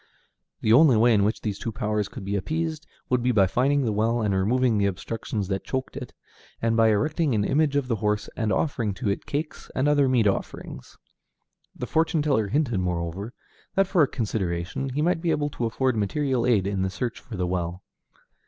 The only way in which these two powers could be appeased would be by finding the well, and removing the obstructions that choked it, and by erecting an image of the horse and offering to it cakes and other meat offerings. The fortune teller hinted, moreover, that for a consideration he might be able to afford material aid in the search for the well.